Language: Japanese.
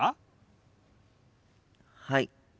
はい。